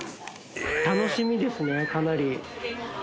楽しみですねかなり。